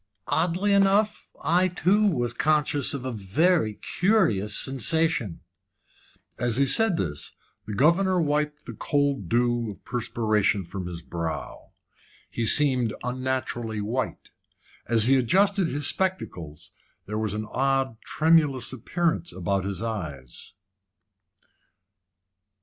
"Oddly enough, I too was conscious of a very curious sensation." As he said this, the governor wiped the cold dew of perspiration from his brow. He seemed unnaturally white. As he adjusted his spectacles, there was an odd, tremulous appearance about his eyes.